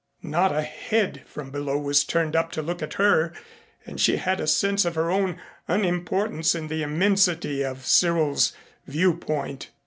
Not a head from below was turned up to look at her and she had a sense of her own unimportance in the immensity of Cyril's viewpoint.